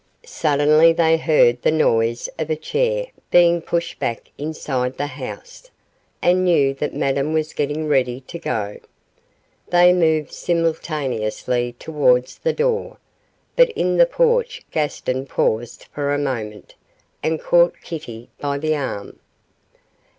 Suddenly they heard the noise of a chair being pushed back inside the house, and knew that Madame was getting ready to go. They moved simultaneously towards the door, but in the porch Gaston paused for a moment, and caught Kitty by the arm.